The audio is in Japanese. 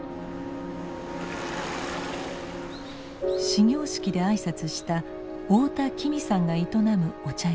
始業式で挨拶した太田紀美さんが営むお茶屋「富美代」。